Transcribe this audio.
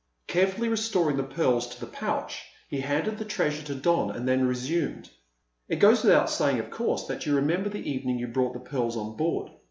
Carefully restoring the pearls to the pouch, he handed the treasure to Don, and then resumed: "It goes without saying, of course, that you remember the evening you brought the pearls on board.